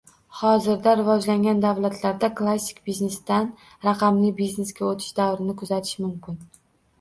Hozirda rivojlangan davlatlarda klassik biznesdan raqamli biznesga oʻtish davrini kuzatish mumkin.